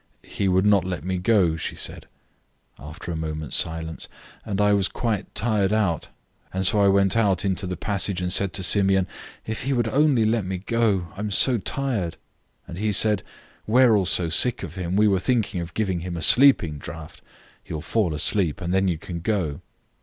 "He would not let me go," she said, after a moment's silence, "and I was quite tired out, and so I went out into the passage and said to Simeon, 'If he would only let me go, I am so tired.' And he said, 'We are also sick of him; we were thinking of giving him a sleeping draught; he will fall asleep, and then you can go.